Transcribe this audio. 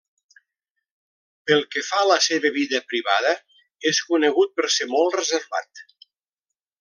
Pel que fa a la seva vida privada, és conegut per ser molt reservat.